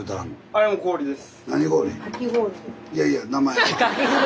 あれも氷です。